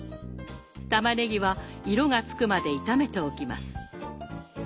玉ねぎは色がつくまで炒めておきます。